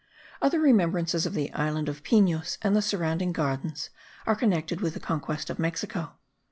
Other remembrances of the island of Pinos, and the surrounding Gardens, are connected with the conquest of Mexico.